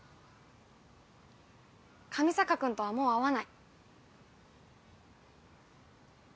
上坂君とはもう会わない。